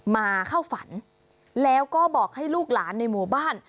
มาเข้าฝันแล้วก็บอกให้ลูกหลานในหมู่บ้าน